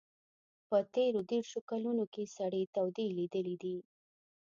په تېرو دېرشو کلونو کې سړې تودې لیدلي دي.